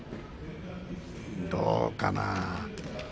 どうかな？